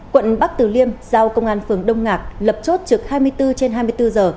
quận bắc tử liêm giao công an phường đông ngạc lập chốt trực hai mươi bốn trường